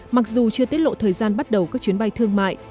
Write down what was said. mặc dù chưa tiết lộ thời gian bắt đầu các chuyến bay thương mại